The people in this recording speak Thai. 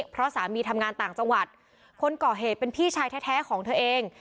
เพราะสามีทำงานต่างจังหวัดคนก่อเหตุเป็นพี่ชายแท้ของเธอเอง